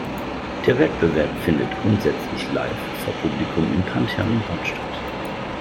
Der Wettbewerb findet grundsätzlich live vor Publikum im "Pantheon" in Bonn statt.